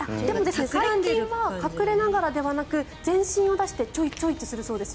最近は隠れながらではなく全身を出してチョイチョイってするそうです。